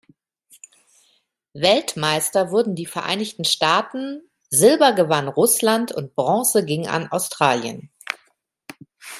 Weltmeister wurden die Vereinigten Staaten, Silber gewann Russland und Bronze ging an Australien.